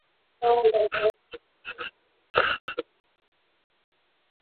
本车站是中国城市轨道交通最北及最东的车站。